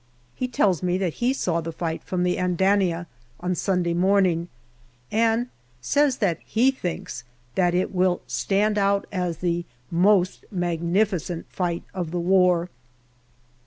He tells me that he saw the fight from the Andania on Sunday morning, and says that he thinks that it will stand out as the most magnificent fight of the war.